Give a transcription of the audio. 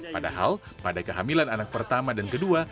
padahal pada kehamilan anak pertama dan kedua